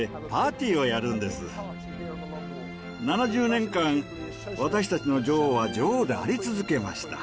７０年間私たちの女王は女王であり続けました。